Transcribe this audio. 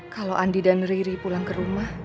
kalau andi dan riri pulang ke rumah